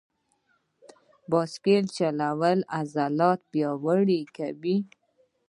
بایسکل چلول عضلات پیاوړي کوي.